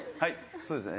そうですね